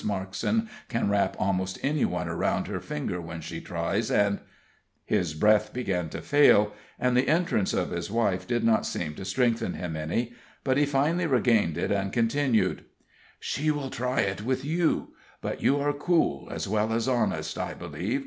Markson can wrap almost any one around her finger when she tries, and " His breath began to fail, and the entrance of his wife did not seem to strengthen him any; but he finally regained it, and continued: "She will try it with you; but you are cool as well as honest, I believe.